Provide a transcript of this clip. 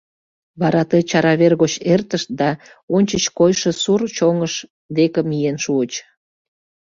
Вара ты чаравер гоч эртышт да ончыч койшо сур чоҥыш деке миен шуыч.